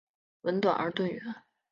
吻短而钝圆。